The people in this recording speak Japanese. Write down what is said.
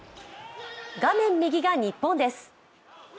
画面右が日本です。